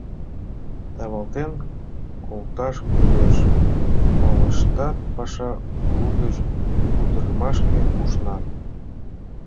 Тавалтен колташ кӱлеш! — молыштат паша лугыч кутырымашке ушнат.